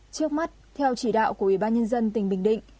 trước mắt theo chỉ đạo của ủy ban nhân dân tỉnh bình định